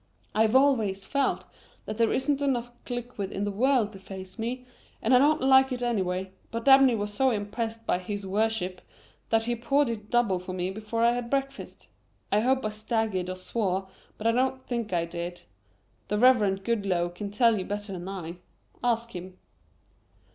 I've always felt that there isn't enough liquid in the world to faze me, and I don't like it anyway, but Dabney was so impressed by His Worship that he poured it double for me before I had had breakfast. I hope I staggered or swore but I don't think I did. The Reverend Goodloe can tell you better than I. Ask him."